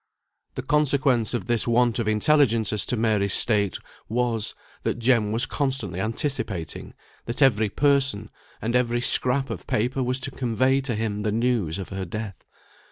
The consequence of this want of intelligence as to Mary's state was, that Jem was constantly anticipating that every person and every scrap of paper was to convey to him the news of her death.